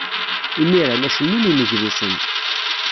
Imir-a, la cennun yineglusen.